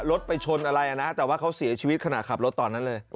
รถไปชนอะไรนะแต่ว่าเขาเสียชีวิตขณะขับรถตอนนั้นเลย